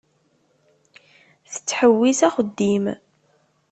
Tettḥewwis axeddim.